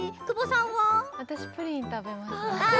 私はプリンを食べます。